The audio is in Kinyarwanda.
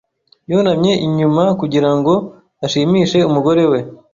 Yunamye inyuma kugira ngo ashimishe umugore we.